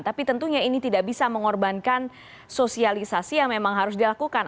tapi tentunya ini tidak bisa mengorbankan sosialisasi yang memang harus dilakukan